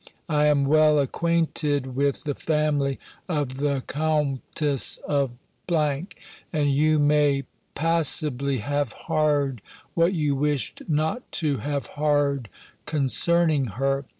I ame welle acquaintid with the famely of the Coumptesse of ; and yowe maie passiblie haue hard what you wished not to haue hard concerninge hir.